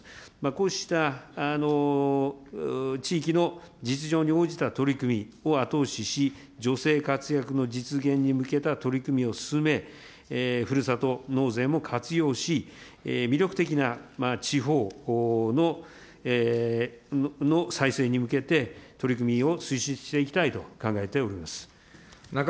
こうした地域の実情に応じた取り組みを後押しし、女性活躍の実現に向けた取り組みを進め、ふるさと納税も活用し、魅力的な地方の再生に向けて、取り組みを推進していきたいと考えております。